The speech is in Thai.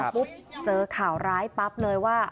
เจอข่าวร้ายปั๊บเลยว่า